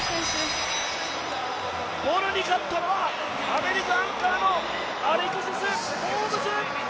ボルに勝ったのはアメリカアンカーのアレクシス・ホームズ。